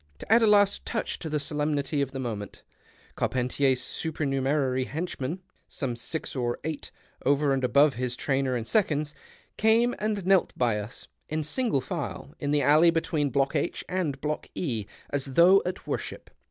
To add a last touch to the solemnity of the moment, Carpenticr's supernumerary henchmen (some six or eight, over and above his trainer and seconds) came and knelt by us, in single file, in the alley between Block H and Block E, as though at worship.